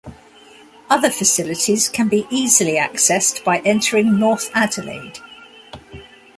Other facilities can be easily accessed by entering North Adelaide.